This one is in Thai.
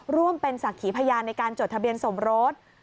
ร่วมเป็นศักดิ์ขีพยานในการจดทะเบียนสมรส